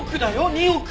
２億！